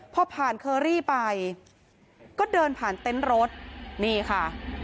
พอผ่านเคอรี่ไปก็เดินผ่านเต็นต์รถนี่ค่ะ